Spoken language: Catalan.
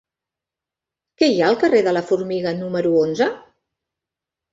Què hi ha al carrer de la Formiga número onze?